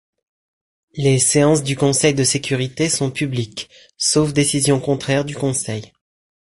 Les séances du Conseil de sécurité sont publiques, sauf décision contraire du Conseil.